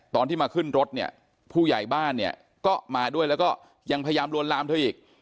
ตอนที่มาขึ้นรถเนี่ยผู้ใหญ่บ้านเนี่ยก็มาด้วยแล้วก็ยังพยายามลวนลามเธออีก